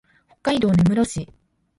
北海道根室市